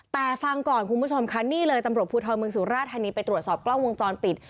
แต่ฟังก่อนคุณผู้ชมค่ะนี่เลยตำรวจภูทรเมืองสุราธานีไปตรวจสอบกล้องวงจรปิด